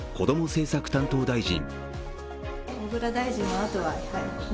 政策担当大臣。